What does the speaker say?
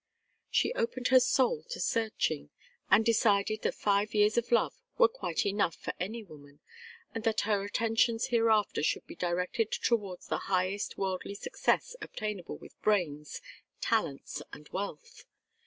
She opened her soul to searching, and decided that five years of love were quite enough for any woman, and that her attentions hereafter should be directed towards the highest worldly success obtainable with brains, talents, and wealth.